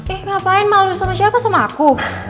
eh ngapain malu suruh siapa sama aku